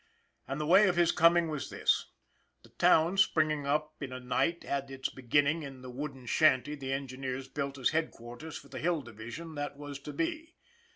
And the way of his coming was this : The town, springing up in a night, had its beginning in the wooden shanty the engineers built as headquarters for the Hill Division that was to be.